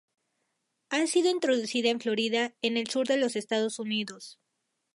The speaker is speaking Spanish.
Ha sido introducida en Florida en el sur de los Estados Unidos.